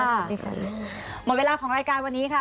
หมดเวลาของรายการวันนี้ค่ะ